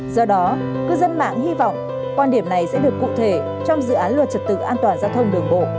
do đó cư dân mạng hy vọng quan điểm này sẽ được cụ thể trong dự án luật trật tự an toàn giao thông đường bộ